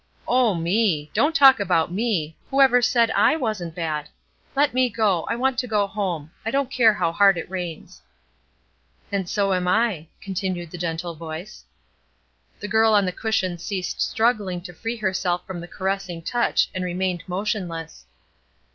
"Oh, me! Don't talk about me! Whoever said I wasn't bad? Let me go; I want to go home. I don't care how hard it rains." "And so am I," continued the gentle voice. The girl on the cushion ceased struggling to free herself from the caressing touch, and remained motionless.